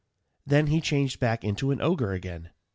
Then he changed back into an ogre again.